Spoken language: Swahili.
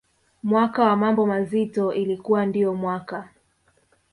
mwaka wa mambo mazito ilikuwa ndiyo mwaka